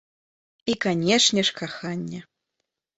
І, канечне ж, каханне.